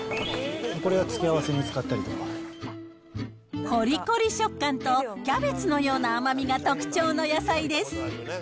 これは付け合わせに使ったりとかこりこり食感と、キャベツのような甘みが特徴の野菜です。